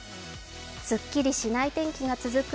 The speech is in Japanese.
すっきりしない天気が続く